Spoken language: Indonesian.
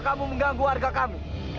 jadi mungkin ada yang gak sih kah